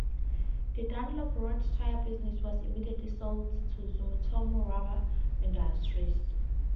The Dunlop road tyre business was immediately sold to Sumitomo Rubber Industries.